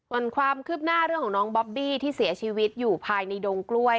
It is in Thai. ส่วนความคืบหน้าเรื่องของน้องบอบบี้ที่เสียชีวิตอยู่ภายในดงกล้วย